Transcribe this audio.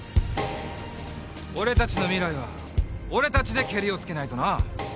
俺たちの未来は俺たちでけりをつけないとな。